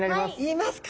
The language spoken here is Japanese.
いますか！